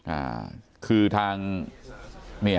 อ่าคือทางนี่ฮะอืม